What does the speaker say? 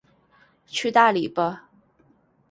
去大理不